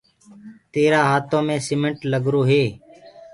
تيرآ هآتو مي سيمٽ لگرو هي۔